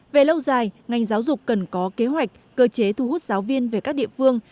về lâu dài ngành giáo dục cần có kế hoạch cơ chế thu hút giáo viên về các địa phương